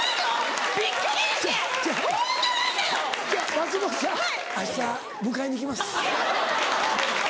松本さん明日迎えに行きます。